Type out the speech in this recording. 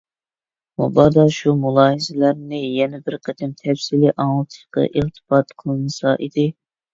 مۇبادا شۇ مۇلاھىزىلەرنى يەنە بىر قېتىم تەپسىلىي ئاڭلىتىشقا ئىلتىپات قىلىنسا ئىدى.